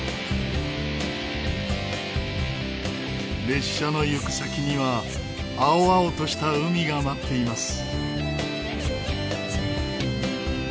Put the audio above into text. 列車の行く先には青々とした海が待っています。